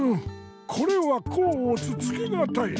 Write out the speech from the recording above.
これはこうおつつけがたい。